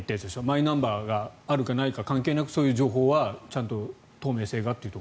マイナンバーがあるかないか関係なくそういう情報はちゃんと透明性がと。